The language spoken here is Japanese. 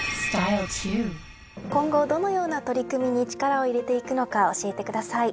今後どのような取り組みに力を入れていくのか教えてください。